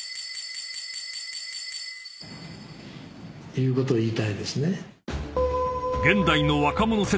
「いうことを言いたいですね」